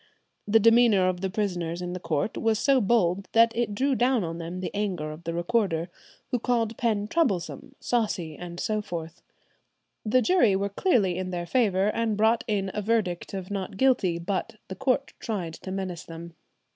The demeanour of the prisoners in the court was so bold, that it drew down on them the anger of the recorder, who called Penn troublesome, saucy, and so forth. The jury were clearly in their favour, and brought in a verdict of not guilty, but the court tried to menace them.